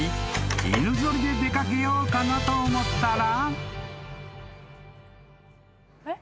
犬ぞりで出掛けようかなと思ったら］